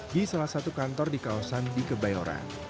di salah satu kantor di kawasan di kebayoran